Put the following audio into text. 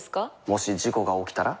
もし事故が起きたら？